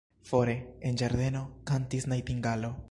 Fore, en ĝardeno, kantis najtingalo.